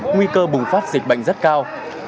nguy cơ bùng phát dịch bệnh rất cao